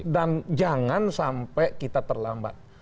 dan jangan sampai kita terlambat